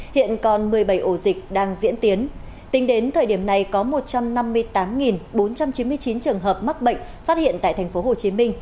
hiện còn một mươi bảy ổ dịch đang diễn tiến tính đến thời điểm này có một trăm năm mươi tám bốn trăm chín mươi chín trường hợp mắc bệnh phát hiện tại tp hcm